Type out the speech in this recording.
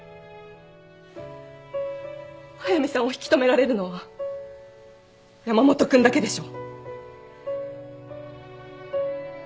速見さんを引き留められるのは山本君だけでしょ？